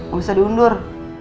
ga bisa diundur